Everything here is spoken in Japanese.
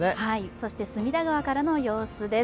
そして隅田川からの様子です。